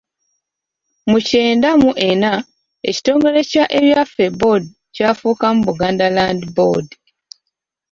Mu kyenda mu ena ekitongole kya Ebyaffe Board kyafuukamu Buganda Land Board.